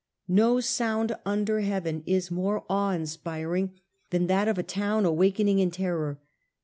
No sound under heaven is more awe inspiring than that of a town awakening in terror.